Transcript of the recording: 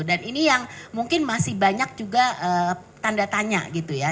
dan ini yang mungkin masih banyak juga tanda tanya gitu ya